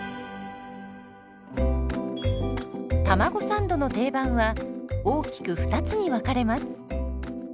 たまごサンドの定番は大きく２つに分かれます。